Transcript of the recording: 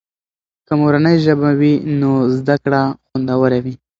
که مورنۍ ژبه وي نو زده کړه خوندور وي.